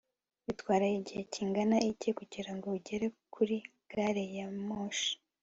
bitwara igihe kingana iki kugirango ugere kuri gari ya moshi